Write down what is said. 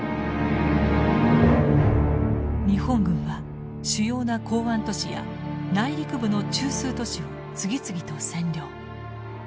日本軍は主要な港湾都市や内陸部の中枢都市を次々と占領。